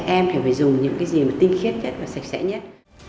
em phải dùng những cái gì mà tinh khiết nhất và sạch sẽ nhất